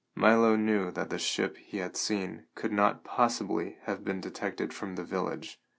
Milo knew that the ship he had seen could not possibly have been detected from the village.